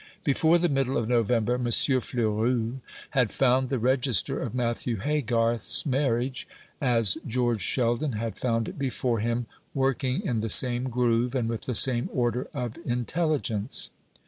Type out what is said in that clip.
Before the middle of November M. Fleurus had found the register of Matthew Haygarth's marriage, as George Sheldon had found it before him, working in the same groove, and with the same order of intelligence.